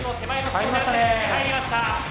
入りましたね！